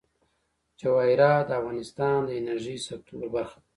جواهرات د افغانستان د انرژۍ سکتور برخه ده.